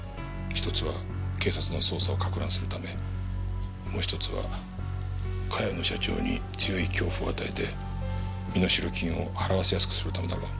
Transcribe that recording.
一つは警察の捜査をかく乱するためもう一つは茅野社長に強い恐怖を与えて身代金を払わせやすくするためだろう。